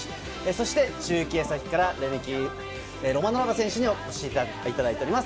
そして中継先からレメキ・ロマノ・ラヴァ選手にお越しいただいております。